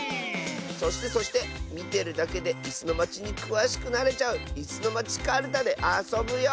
そしてそしてみてるだけで「いすのまち」にくわしくなれちゃう「いすのまちカルタ」であそぶよ！